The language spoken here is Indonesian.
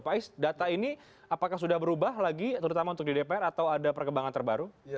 pak is data ini apakah sudah berubah lagi terutama untuk di dpr atau ada perkembangan terbaru